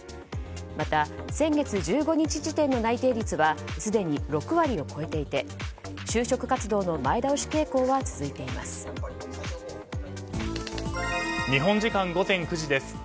また、先月１５日時点の内定率はすでに６割を超えていて就職活動の前倒し傾向は日本時間午前９時です。